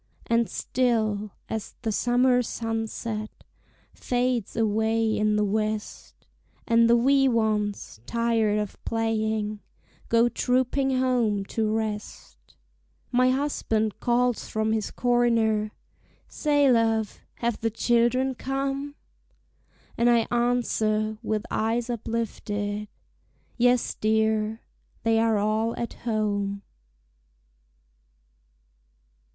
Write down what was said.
And still, as the summer sunset Fades away in the west, And the wee ones, tired of playing, Go trooping home to rest, My husband calls from his corner, "Say, love, have the children come?" And I answer, with eyes uplifted, "Yes, dear! they are all at home."